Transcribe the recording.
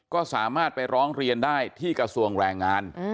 ก็สามารถไปร้องเรียนได้ที่กระทรวงแรงงาน